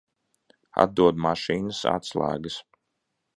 Atdod mašīnas atslēgas.